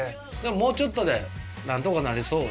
もうちょっとでなんとかなりそう？